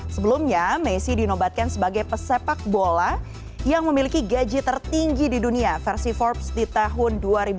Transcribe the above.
sebelumnya messi dinobatkan sebagai pesepak bola yang memiliki gaji tertinggi di dunia versi forbes di tahun dua ribu dua puluh